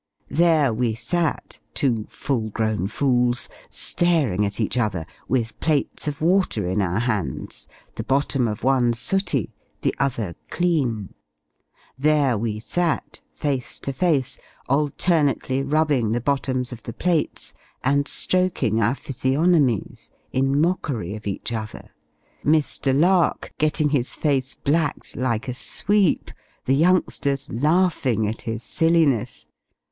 There we sat (two full grown fools) staring at each other, with plates of water in our hands, the bottom of one sooty, the other clean! There we sat, face to face, alternately rubbing the bottoms of the plates, and stroking our physiognomies, in mockery of each other Mr. Lark getting his face blacked like a sweep, the youngsters laughing at his silliness!